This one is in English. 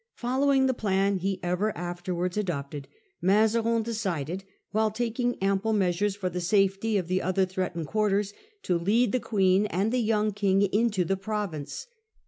Following the plan he ever afterwards adopted, Mazarin decided, while taking ample measures for the safety of the other threatened quarters, to lead the Queen and the young King into the province.